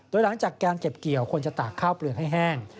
โดยหลังจากการเก็บเกี่ยวควรจะตากข้าวเปลืองให้แห้ง